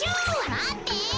まって。